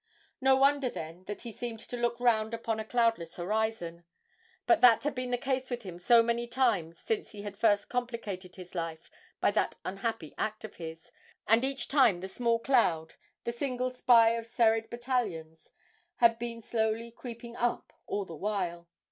No wonder, then, that he seemed to look round upon a cloudless horizon but that had been the case with him so many times since he had first complicated his life by that unhappy act of his, and each time the small cloud, the single spy of serried battalions, had been slowly creeping up all the while.